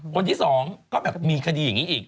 คนที่สองก็แบบมีคดีอย่างนี้อีก